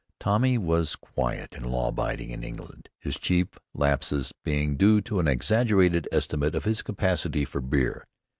Tommy was quiet and law abiding in England, his chief lapses being due to an exaggerated estimate of his capacity for beer.